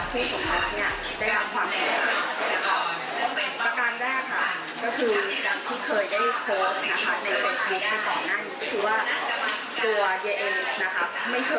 ต่อสื่อมนต์โชว์ไปเมื่อวันศัพท์ที่๑๘